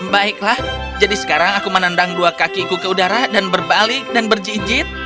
baiklah jadi sekarang aku menendang dua kakiku ke udara dan berbalik dan berjijit